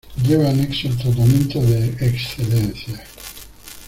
Lleva anexo el tratamiento de "Excelencia".